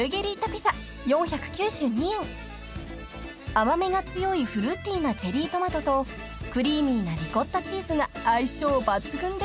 ［甘味が強いフルーティーなチェリートマトとクリーミーなリコッタチーズが相性抜群です］